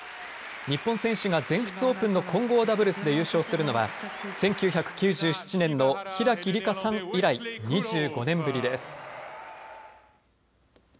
日本選手が全仏オープンの混合ダブルスで優勝するのは１９９７年の平木理化さん以来２５年ぶりです。